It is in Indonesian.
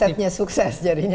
mindsetnya sukses jadinya